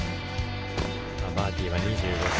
バーティは２５歳。